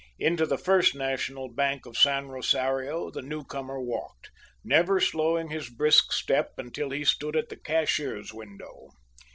Into the First National Bank of San Rosario the newcomer walked, never slowing his brisk step until he stood at the cashier's window.